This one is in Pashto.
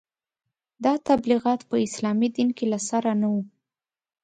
دا تبلیغات په اسلامي دین کې له سره نه وو.